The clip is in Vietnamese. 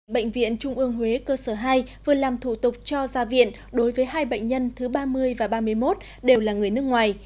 bệnh viện trung ương huế cơ sở hai vừa làm thủ tục cho ra viện đối với hai bệnh nhân thứ ba mươi và ba mươi một đều là người nước ngoài